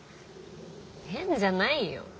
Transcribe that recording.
変じゃないよ。